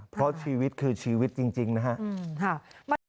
เพราะชีวิตคือชีวิตจริงนะฮะ